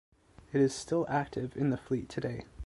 It is still active in the fleet today.